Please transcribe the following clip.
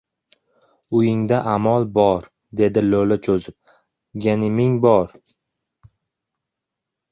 — Uyingda amol bo-or! — dedi lo‘li cho‘zib. — Ganiming bo-or!